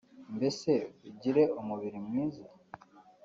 mbese ugire umubiri mwiza